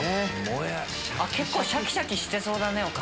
結構シャキシャキしてそうだね。